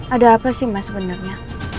ada apa sih mas sebenernya